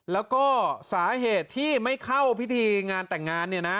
แล้วก็สาเหตุที่ไม่เข้าพิธีงานแต่งงานเนี่ยนะ